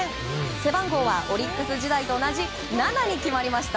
背番号はオリックス時代と同じ７に決まりました。